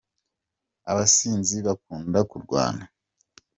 Abasinzi bakunda kurwana.